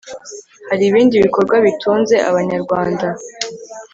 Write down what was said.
hari ibindi bikorwa bitunze abanyarwanda